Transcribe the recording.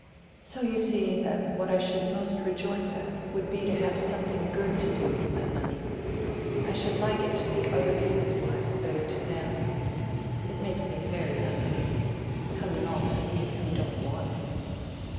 So you see that what I should most rejoice at would be to have something good to do with my money: I should like it to make other people's lives better to them. It makes me very uneasy—coming all to me who don't want it."